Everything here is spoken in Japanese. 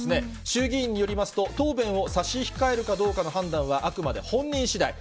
衆議院によりますと、答弁を差し控えるかどうかの判断は、あくまで本人しだい。